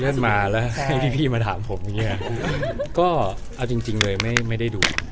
เริ่มมาแล้วที่พี่มาถามผมนี่เอาจริงเลยไม่ได้ดู